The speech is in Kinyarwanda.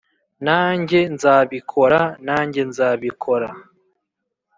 nanjye nzabikora, nanjye nzabikora